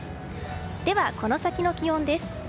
では、この先の気温です。